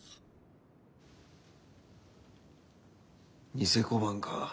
贋小判か。